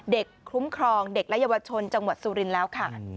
เด็กคลุ้มครองเด็กรัยวชนจังหวัดสุรินตร์แล้วค่ะ